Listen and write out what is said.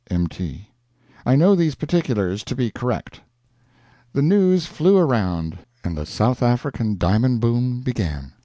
M.T.] I know these particulars to be correct. The news flew around, and the South African diamond boom began.